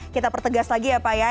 kita pertegas lagi ya pak ya